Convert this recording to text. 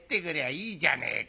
手紙じゃねえか。